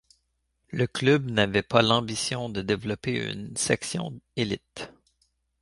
Le club n’avait pas l’ambition de développer une section élite.